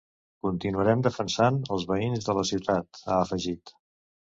Continuarem defensant els veïns de la ciutat, ha afegit.